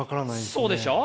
そうでしょう？